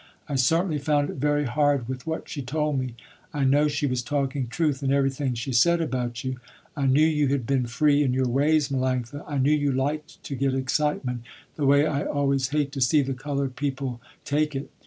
I certainly found it very hard with what she told me. I know she was talking truth in everything she said about you. I knew you had been free in your ways, Melanctha, I knew you liked to get excitement the way I always hate to see the colored people take it.